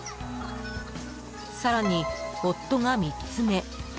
［さらに夫が３つ目］